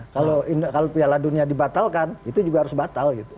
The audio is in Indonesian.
kalau piala dunia dibatalkan itu juga harus batal gitu